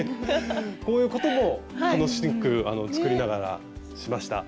こういうことも楽しく作りながらしました。